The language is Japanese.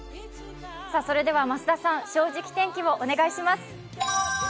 増田さん、「正直天気」をお願いします。